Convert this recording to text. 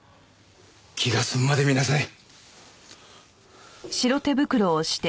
気が済むまで見なさい。